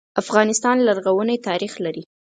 افغانستان لرغونی ناریخ لري.